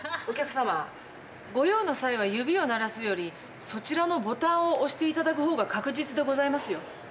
お客様ご用の際は指を鳴らすよりそちらのボタンを押していただく方が確実でございますよ。